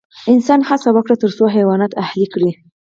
انسان هڅه وکړه تر څو حیوانات اهلي کړي.